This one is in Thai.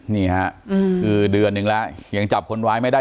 นี่ค่ะคือเดือนนึงแล้วยังจับคนร้ายไม่ได้